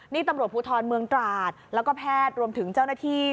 นี่ตำรวจภูทรเมืองตราดแล้วก็แพทย์รวมถึงเจ้าหน้าที่